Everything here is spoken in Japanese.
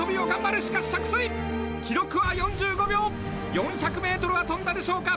４００ｍは飛んだでしょうか。